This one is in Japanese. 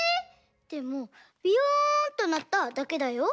でもビヨンとなっただけだよ。